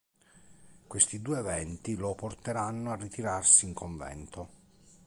Questi due eventi lo porteranno a ritirarsi in convento.